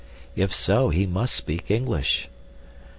If so he must speak English.